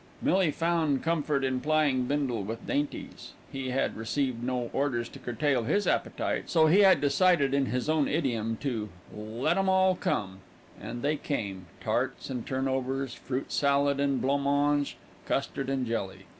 Millie found comfort in plying Bindle with dainties. He had received no orders to curtail his appetite, so he had decided in his own idiom to "let 'em all come" and they came, tarts and turnovers, fruit salad and blanc mange, custard and jelly.